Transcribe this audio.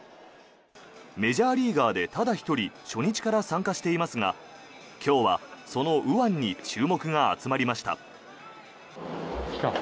メジャーリーガーでただ１人初日から参加していますが今日は、その右腕に注目が集まりました。